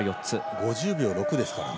５０秒６ですからね。